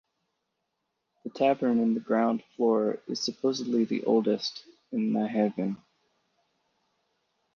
The tavern in the ground floor is supposedly the oldest in Nyhavn.